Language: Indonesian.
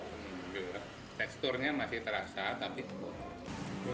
teksturnya masih terasa tapi empuk